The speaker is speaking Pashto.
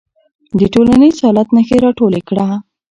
د ټولنیز حالت نښې راټولې کړه.